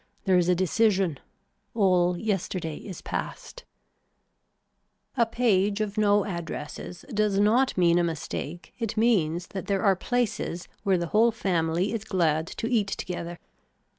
There is a decision. All yesterday is passed. A page of no addresses does not mean a mistake it means that there are places where the whole family is glad to eat together.